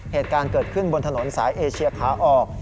เหตุการณ์เกิดขึ้นบนถนนสายเอเชียขาออก